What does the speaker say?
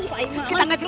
kita harus menangkan dia